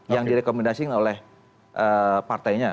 yang direkomendasi oleh partainya